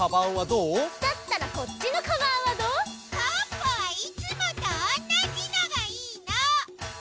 ポッポはいつもとおんなじのがいいの！